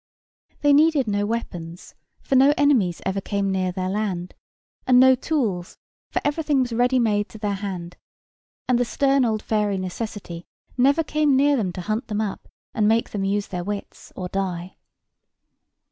They needed no weapons, for no enemies ever came near their land; and no tools, for everything was readymade to their hand; and the stern old fairy Necessity never came near them to hunt them up, and make them use their wits, or die.